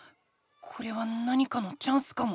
これは何かのチャンスかも。